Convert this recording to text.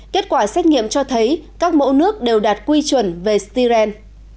kết quả xét nghiệm cho thấy các mẫu nước đều đạt quy chuẩn về styren